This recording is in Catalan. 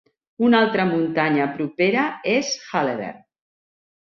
Una altra muntanya propera és Halleberg.